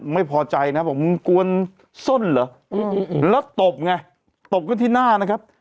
ไม่พอใจนะบอกมึงกวนส้นเหรอแล้วตบไงตบกันที่หน้านะครับ